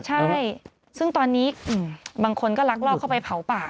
ใช่ซึ่งตอนนี้บางคนก็ลักลอบเข้าไปเผาป่า